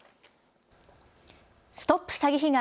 ＳＴＯＰ詐欺被害！